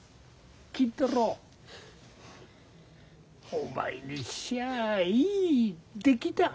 お前にしちゃいい出来だ。